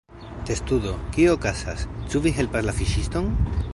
Testudo: "Kio okazas? Ĉu vi helpas la fiŝiston?"